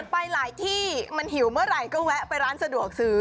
ไปหลายที่มันหิวเมื่อไหร่ก็แวะไปร้านสะดวกซื้อ